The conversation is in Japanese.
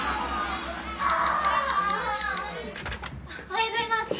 おはようございます！